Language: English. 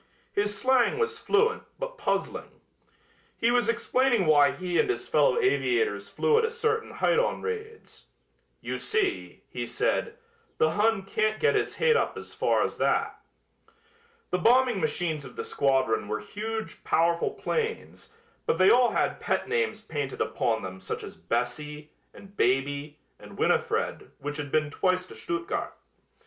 His slang was fluent but puzzling. He was explaining why he and his fellow aviators flew at a certain height on raids. "You see," he said, "the Hun can't get his hate up as far as that." The bombing machines of the squadron were huge, powerful planes, but they all had pet names painted upon them such as "Bessie" and "Baby" and "Winifred" which had been twice to Stuttgart.